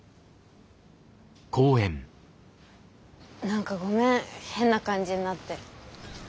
何かごめん変な感じになって。